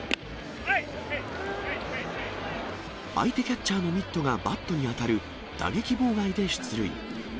相手キャッチャーのミットがバットに当たる、打撃妨害で出塁。